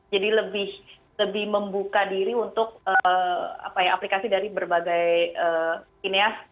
jadi lebih membuka diri untuk aplikasi dari berbagai kineas